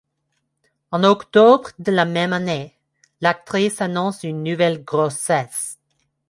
En octobre de la même année, l'actrice annonce une nouvelle grossesse.